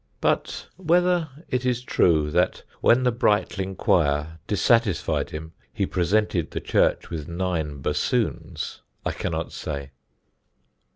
But whether it is true that when the Brightling choir dissatisfied him he presented the church with nine bassoons, I cannot say.